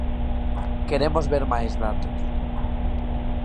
Queremos ver máis datos.